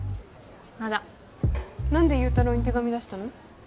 まだ何で祐太郎に手紙出したの？